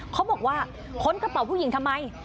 เขาบอกว่าค้นกระเป๋าผู้หญิงทำไม